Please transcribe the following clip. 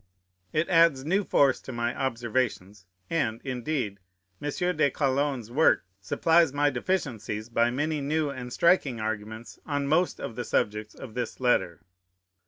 It adds new force to my observations: and, indeed, M. de Calonne's work supplies my deficiencies by many new and striking arguments on most of the subjects of this letter.